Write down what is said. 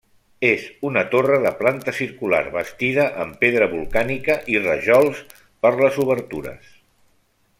És una torre de planta circular, bastida amb pedra volcànica i rajols per les obertures.